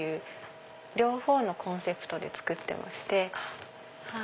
両方のコンセプトで作ってまして。